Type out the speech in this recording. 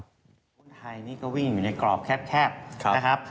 หุ้นไทยนี่ก็วิ่งอยู่ในกรอบแคบนะครับ